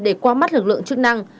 để qua mắt lực lượng chức năng